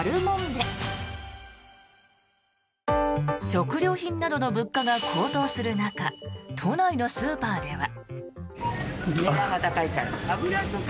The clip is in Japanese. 食料品などの物価が高騰する中都内のスーパーでは。